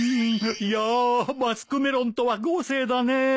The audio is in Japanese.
いやマスクメロンとは豪勢だねえ。